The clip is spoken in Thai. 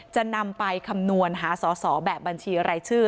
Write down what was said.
จะนำไปคำนวณหาสอสอแบบบัญชีรายชื่อ